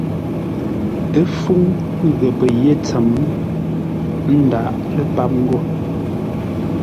Ə́ fúŋ ghəpə́ yé ntsəm, ə́ ńdáʼ lə́ páp ńgó.